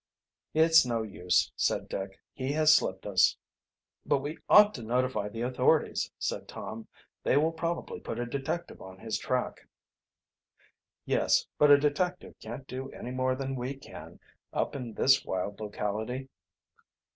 "It's no use," said Dick. "He has slipped us!" "But we ought to notify the authorities," said Tom. "They will probably put a detective on his track." "Yes; but a detective can't do any more than we can, up in this wild locality."